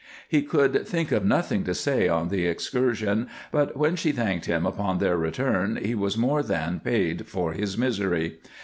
He could think of nothing to say on the excursion, but when she thanked him upon their return he was more than paid for his misery.